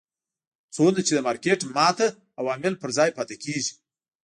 څومره چې د مارکېټ ماتې عوامل پر ځای پاتې کېږي.